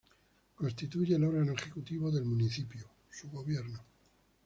Constituye el órgano ejecutivo del municipio, su gobierno.